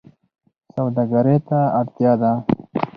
سوداګرۍ ته اړتیا ده